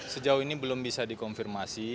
sejauh ini belum bisa dikonfirmasi